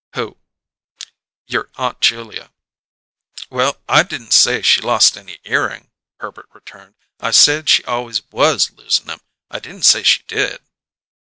"Who?" "Your Aunt Julia." "Why, I didn't say she lost any earring," Herbert returned. "I said she always was losin' 'em: I didn't say she did."